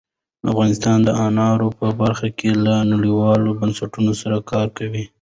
افغانستان د انارو په برخه کې له نړیوالو بنسټونو سره کار کوي.